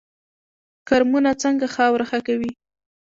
کرمونه څنګه خاوره ښه کوي؟